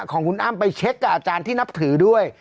ของคุณอ้ำไปเช็คกับอาจารย์ที่นับถือด้วย